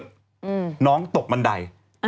จริงน้องตกมันได